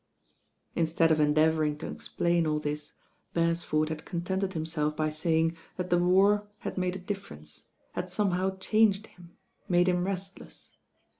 Instead of endeavouring to explain all this, Beresford had contented himself by saying that the War had made a difference, had somehow changed him, made him restless.